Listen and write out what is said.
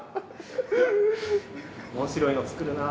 面白いの作るな。